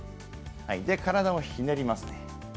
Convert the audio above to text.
体をひねります。